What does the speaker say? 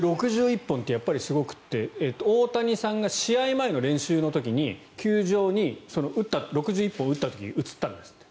６１本ってやっぱりすごくて大谷さんが試合前の練習の時に球場に６１本打った時に映ったんですって。